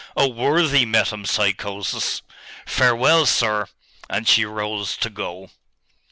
Oh worthy metempsychosis! Farewell, sir!' And she rose to go.